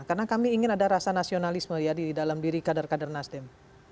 karena kami ingin ada rasa nasionalisme di dalam diri kader kader nasdem